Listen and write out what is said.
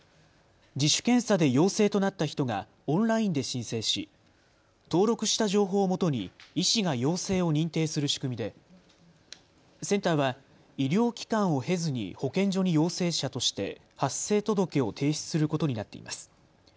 自主検査で陽性となった人がオンラインで申請し登録した情報をもとに医師が陽性を認定する仕組みでセンターは医療機関を経ずに保健所に陽性者として発生届を提出することになっています。